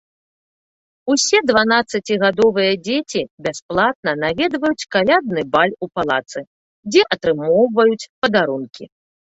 Усе дванаццацігадовыя дзеці бясплатна наведваюць калядны баль у палацы, дзе атрымоўваюць падарункі.